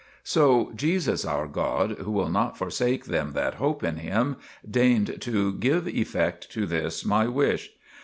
So Jesus our God, who will not forsake them that hope in Him, deigned to give effect to this my wish.